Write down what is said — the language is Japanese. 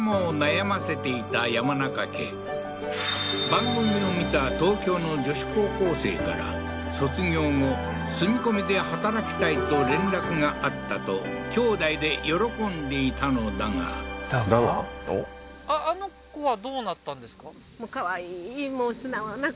番組を見た東京の女子高校生から卒業後住み込みで働きたいと連絡があったときょうだいで喜んでいたのだがだが？